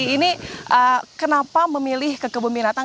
ini kenapa memilih ke kebun binatang